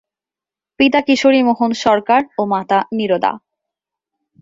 পিতা কিশোরী মোহন সরকার ও মাতা নীরদা।